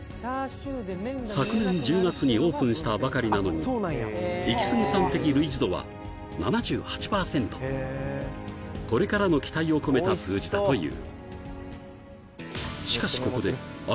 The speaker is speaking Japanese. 昨年１０月にオープンしたばかりなのにイキスギさん的類似度は７８パーセントこれからの期待を込めた数字だという